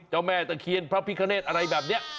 เจ้าแม่เตอเคียนพระภิกเขาเนสอะไรแบบนี้